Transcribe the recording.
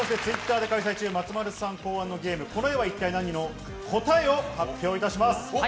Ｔｗｉｔｔｅｒで開催中の松丸さん考案のゲーム、「この絵は一体ナニ！？」の答えを発表いたします。